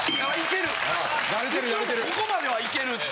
ブクロもここまではいけるって。